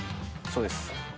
そうです。